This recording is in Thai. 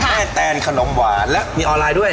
แตนขนมหวานและมีออนไลน์ด้วย